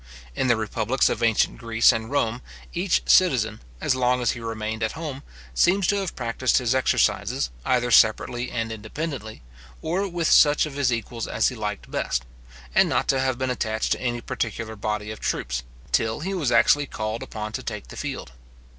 In the republics of ancient Greece and Rome, each citizen, as long as he remained at home, seems to have practised his exercises, either separately and independently, or with such of his equals as he liked best; and not to have been attached to any particular body of troops, till he was actually called upon to take the field.